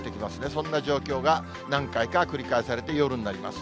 そんな状況が何回が繰り返されて、夜になります。